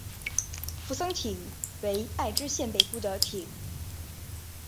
扶桑町为爱知县北部的町。